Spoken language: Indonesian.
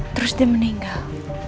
terus dia meninggal